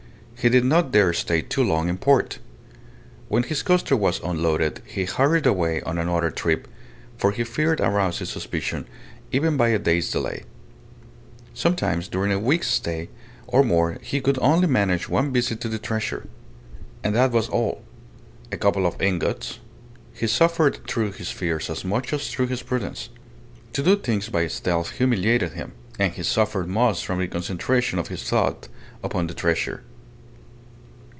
He did not dare stay too long in port. When his coaster was unloaded, he hurried away on another trip, for he feared arousing suspicion even by a day's delay. Sometimes during a week's stay, or more, he could only manage one visit to the treasure. And that was all. A couple of ingots. He suffered through his fears as much as through his prudence. To do things by stealth humiliated him. And he suffered most from the concentration of his thought upon the treasure.